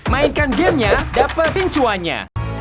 mainkan gamenya dapetin cuanya